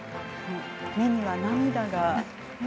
目には涙が。